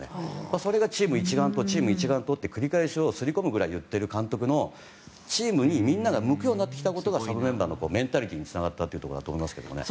それがチーム一丸とチーム一丸と、と繰り返し、刷り込むように言っている監督がチームに、みんなが向くようになってきたことがサブメンバーのメンタリティーにつながったと思いますけどね。